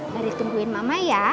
dari tungguin mama ya